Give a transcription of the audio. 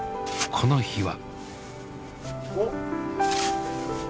この日は。